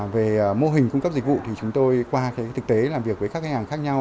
về mô hình cung cấp dịch vụ thì chúng tôi qua thực tế làm việc với các khách hàng khác nhau